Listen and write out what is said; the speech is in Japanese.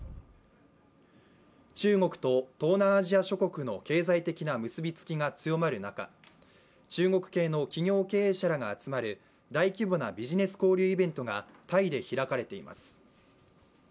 中国と東南アジア諸国の経済的な結びつきが強まる中、中国系の企業経営者らが集まる大規模なビジネス交流イベントがタイで開かれています。